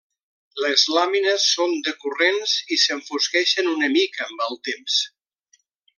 Les làmines són decurrents i s'enfosqueixen una mica, amb el temps.